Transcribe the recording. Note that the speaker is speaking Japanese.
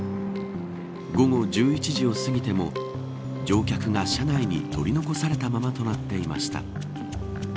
午後１１時を過ぎても乗客が車内に取り残されたままとなっていました。